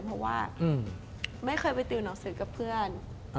เพราะว่าไม่เคยไปติวหนังสือกับเพื่อน